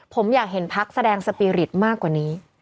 ผมอยากเห็นพักแสดงสปีริตมากกว่านี้